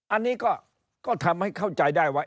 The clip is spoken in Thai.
อันนี้ก็ทำให้เข้าใจได้ว่า